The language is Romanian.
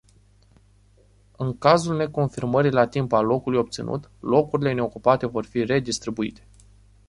În cazul neconfirmării la timp a locului obținut, locurile neocupate vor fi redistribuite.